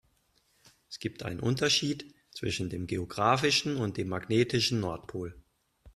Es gibt einen Unterschied zwischen dem geografischen und dem magnetischen Nordpol.